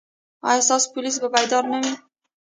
ایا ستاسو پولیس به بیدار نه وي؟